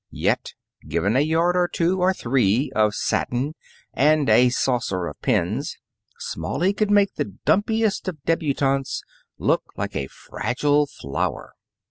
Yet, given a yard or two or three of satin and a saucer of pins, Smalley could make the dumpiest of debutantes look like a fragile flower.